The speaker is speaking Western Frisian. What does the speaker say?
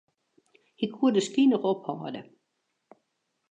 Hy koe de skyn noch ophâlde.